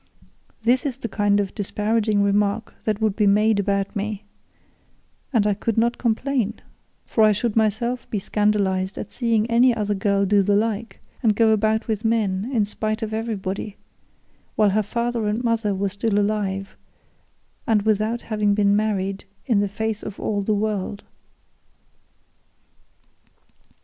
This is the kind of disparaging remark that would be made about me, and I could not complain, for I should myself be scandalised at seeing any other girl do the like, and go about with men in spite of everybody, while her father and mother were still alive, and without having been married in the face of all the world.